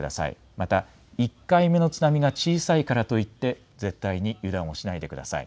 また１回目の津波が小さいからといって絶対に油断をしないでください。